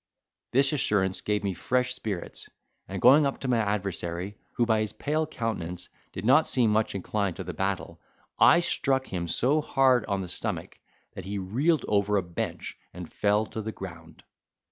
His assurance gave me fresh spirits, and, going up to my adversary, who by his pale countenance did not seem much inclined to the battle, I struck him so hard on the stomach, that he reeled over a bench, and fell to the ground.